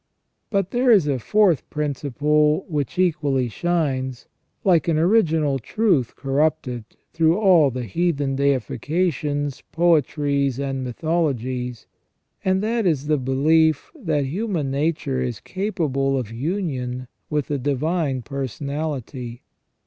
But there is a fourth principle which equally shines, like an original truth corrupted, through all the heathen deifications, poetries, and mythologies, and that is the belief that human nature is capable of union with a divine personality.